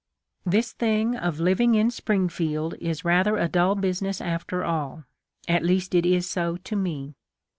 " This thing of living in Springfield is rather a dull business after all — at least it is so to me.